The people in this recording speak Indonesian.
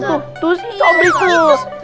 tuh sih sobri tuh